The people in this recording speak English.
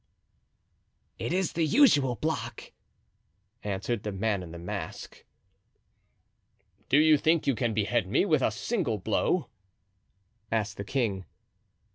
"It is the usual block," answered the man in the mask. "Do you think you can behead me with a single blow?" asked the king.